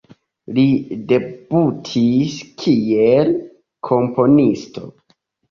Li debutis kiel komponisto.